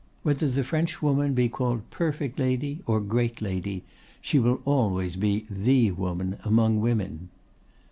Whether the Frenchwoman be called 'perfect lady,' or great lady, she will always be the woman among women.